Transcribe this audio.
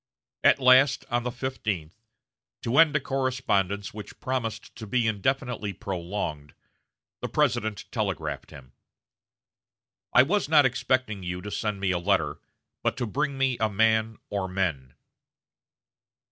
At last, on the fifteenth, to end a correspondence which promised to be indefinitely prolonged, the President telegraphed him: "I was not expecting you to send me a letter, but to bring me a man or men."